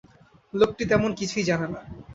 লোকটি তেমন কিছুই জানে না।